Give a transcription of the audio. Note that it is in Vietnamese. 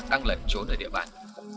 đang lẩn trốn ở địa bàn